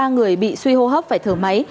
ba người bị suy hô hấp phải thở máy